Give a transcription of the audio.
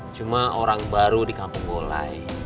cuma orang baru di kampung bolai